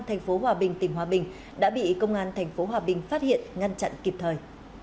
thành phố hòa bình tỉnh hòa bình đã bị công an tp hòa bình phát hiện ngăn chặn kịp thời